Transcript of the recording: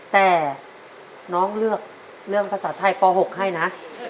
แต่น้องเลือกเรื่องภาษาไทยป๖ให้นะ